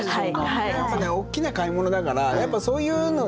やっぱねおっきな買い物だからやっぱりそういうのにね